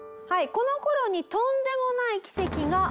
この頃にとんでもない奇跡が訪れるんです。